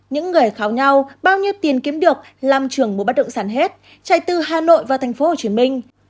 những người kháo nhau bao nhiêu tiền kiếm được lâm trường mua bát động sản hết chạy từ hà nội vào thành phố hồ chí minh